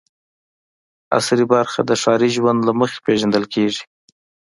عصري برخه د ښاري ژوند له مخې پېژندل کېږي.